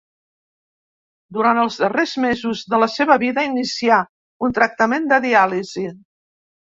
Durant els darrers mesos de la seva vida inicià un tractament de diàlisi.